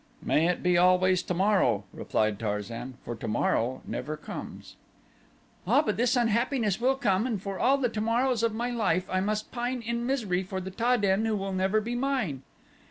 "May it be always tomorrow," replied Tarzan, "for tomorrow never comes." "Ah, but this unhappiness will come, and for all the tomorrows of my life I must pine in misery for the Ta den who will never be mine."